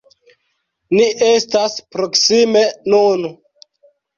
Ni estas proksime nun.